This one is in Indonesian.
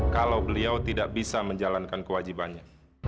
kalau beliau tidak bisa menjalankan kewajibannya